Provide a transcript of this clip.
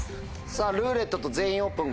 さぁ「ルーレット」と「全員オープン」